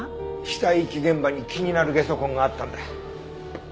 死体遺棄現場に気になるゲソ痕があったんだ。